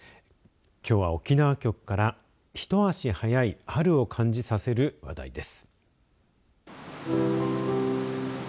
きょうは沖縄局から一足早い春を感じさせる話題です。